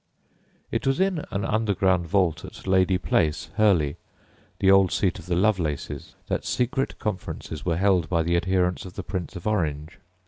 It was in an underground vault at Lady Place, Hurley, the old seat of the Lovelaces, that secret conferences were held by the adherents of the Prince of Orange.